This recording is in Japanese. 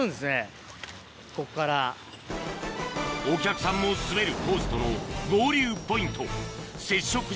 お客さんも滑るコースとの合流ポイント接触